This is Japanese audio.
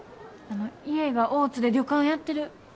あの家が大津で旅館やってる。